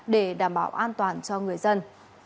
để đảm bảo an toàn cho người dân